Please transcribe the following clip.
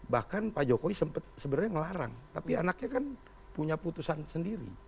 bahkan pak jokowi sempat sebenarnya ngelarang tapi anaknya kan punya putusan sendiri